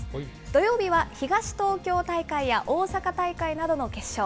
土曜日は東東京大会や、大阪大会などの決勝。